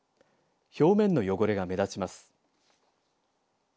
表面の汚れが目立ちます。